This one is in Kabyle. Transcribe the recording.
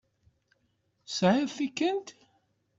Tesεiḍ tikent?